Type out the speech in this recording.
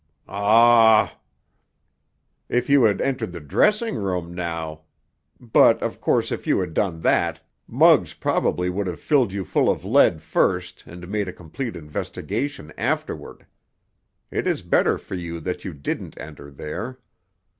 "Aw——" "If you had entered the dressing room now—— But, of course, if you had done that, Muggs probably would have filled you full of lead first, and made a complete investigation afterward. It is better for you that you didn't enter there.